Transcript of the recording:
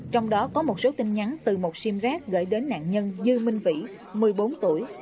trong đó có một số tin nhắn từ một sim rác gửi đến nạn nhân dư minh vĩ một mươi bốn tuổi